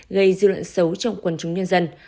gây dư luận xấu trong quần chúng nhân dân